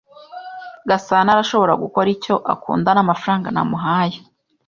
Gasana arashobora gukora icyo akunda namafaranga namuhaye.